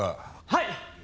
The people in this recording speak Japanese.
はい！